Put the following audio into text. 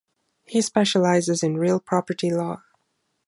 He specializes in real property law.